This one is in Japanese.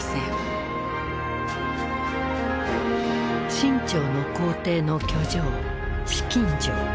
清朝の皇帝の居城紫禁城。